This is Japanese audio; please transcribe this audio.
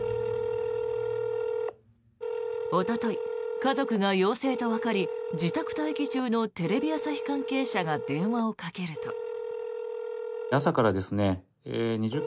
おととい、家族が陽性とわかり自宅待機中のテレビ朝日関係者が電話をかけると。